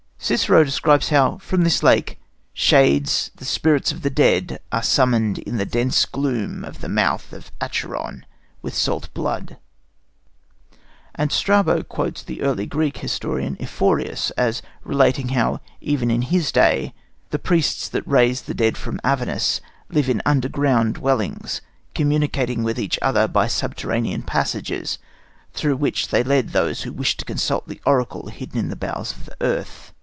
Cicero describes how, from this lake, "shades, the spirits of the dead, are summoned in the dense gloom of the mouth of Acheron with salt blood"; and Strabo quotes the early Greek historian Ephorus as relating how, even in his day, "the priests that raise the dead from Avernus live in underground dwellings, communicating with each other by subterranean passages, through which they led those who wished to consult the oracle hidden in the bowels of the earth."